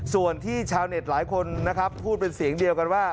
ส่วนที่ชาวเน็ตหลายคนนะครับพูดเป็นเสียงเดียวกันว่า